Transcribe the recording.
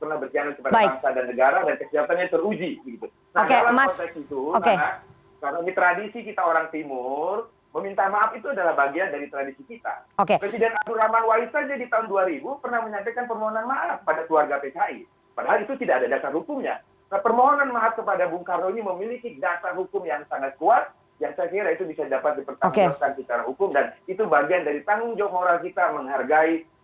menghargai pahlawan pahlawan bangsa